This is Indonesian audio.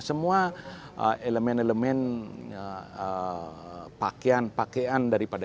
semua elemen elemen pakaian pakaian dari pakaian